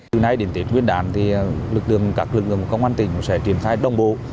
từ nay đến tiết nguyên đàn thì lực lượng các lực lượng công an tỉnh sẽ triển khai đồng bộ